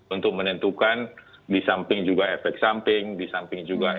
untuk menentukan di samping juga efek samping di samping juga